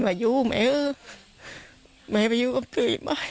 พี่หมีเรียนสู้แก่